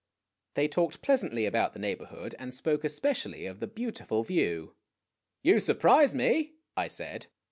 They talked pleasantly about the neighborhood, and spoke especially of the beautiful view. " You surprise me," I said.